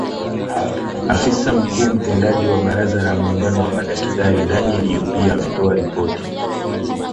Afisa mkuu mtendaji wa baraza la muungano wa madaktari Daniel Yumbia ametoa ripoti